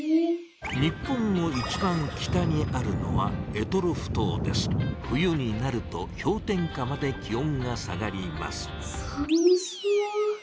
日本の一番北にあるのは冬になるとひょう点下まで気おんが下がりますさむそう。